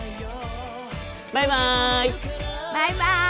バイバイ！